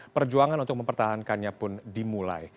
perjuangan untuk mempertahankannya pun dimulai